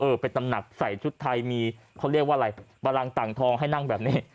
ไปตำหนักใส่ชุดไทยมีเขาเรียกว่าอะไรบรังต่างทองให้นั่งแบบนี้